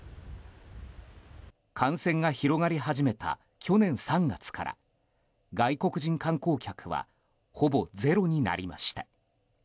感染が広がり始めた去年３月から外国人観光客はほぼゼロになりました。